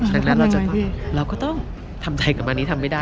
ดังนั้นเราก็ต้องทำใจกับมันนี้ทำไม่ได้